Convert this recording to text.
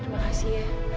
terima kasih ya